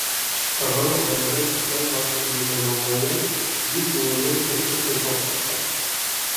Тағы ла баяғы сепрәк баш кейеме маңлайын, бит-муйынын һөртөп-һыйпап сыҡты.